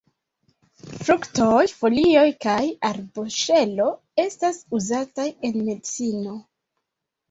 Fruktoj, folioj kaj arboŝelo estas uzataj en medicino.